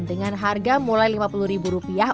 dengan harga mulai lima puluh ribu rupiah